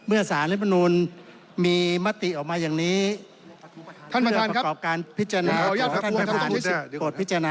เมื่อศาลลำนูนมีมติออกมาอย่างนี้เพื่อประกอบการพิจารณาของท่านประท้าน